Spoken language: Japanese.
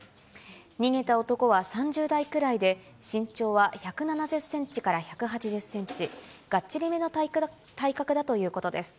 逃げた男は３０代くらいで、身長は１７０センチから１８０センチ、がっちりめの体格だということです。